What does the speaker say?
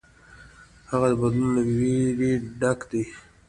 هغه د بدلون له ویرې ډک دی.